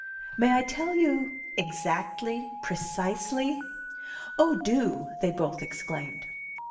"May I tell you exactly, precisely?" "Oh, do!" they both exclaimed.